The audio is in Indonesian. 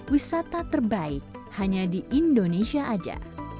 wisata terbaik hanya di indonesia saja